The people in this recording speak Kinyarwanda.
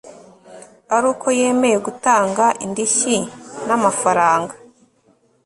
ari uko yemeye gutanga indishyi n amafaranga